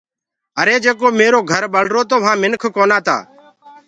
آري جيڪو ميرو گھر ٻݪرو تو وهآ منک ڪونآ تآ